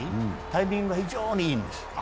タイミングが非常にいいんです。